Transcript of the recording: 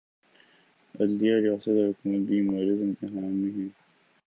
عدلیہ، ریاست اور حکومت بھی معرض امتحان میں ہیں۔